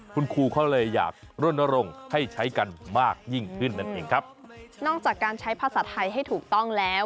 คุณครูเขาเลยอยากรณรงค์ให้ใช้กันมากยิ่งขึ้นนั่นเองครับนอกจากการใช้ภาษาไทยให้ถูกต้องแล้ว